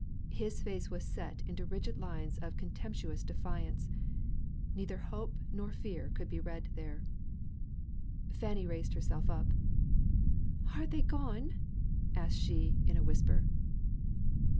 His face was set into rigid lines of contemptuous defiance; neither hope nor fear could be read there. Fanny raised herself up: "Are they gone?" asked she, in a whisper.